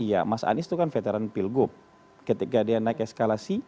iya mas anies itu kan veteran pilgub ketika dia naik eskalasi